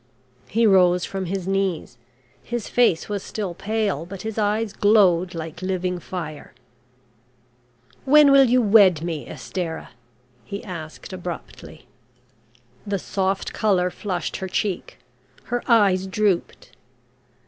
He rose from his knees, his face was still pale, but his eyes glowed like living fire. "When will you wed me, Estarah?" he asked, abruptly. The soft colour flushed her cheek. Her eyes drooped.